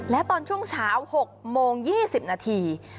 และตอนช่วงเช้า๖โมง๒๐นาที